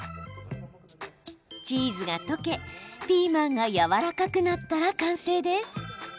チーズが溶け、ピーマンがやわらかくなったら完成です。